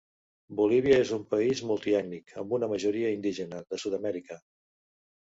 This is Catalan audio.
Bolívia és un país multiètnic, amb una majoria indígena, de Sud-amèrica.